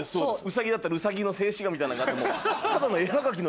「卯」だったらウサギの静止画みたいなのがあって。